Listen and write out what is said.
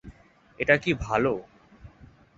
এটা কী ভালো?